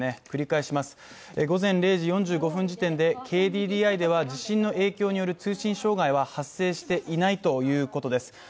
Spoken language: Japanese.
繰り返します午前０時４５分時点で、ＫＤＤＩでは地震の影響による通信障害は発生していないということです。